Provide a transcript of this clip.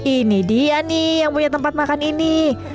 ini dia nih yang punya tempat makan ini